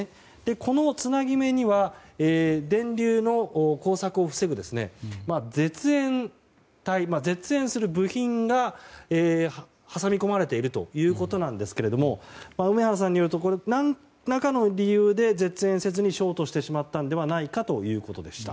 この、つなぎ目には電流の交錯を防ぐ絶縁する部品が挟み込まれているんですが梅原さんによると何らかの理由で絶縁せずにショートしてしまったのではないかということです。